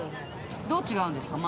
どう違うんですか？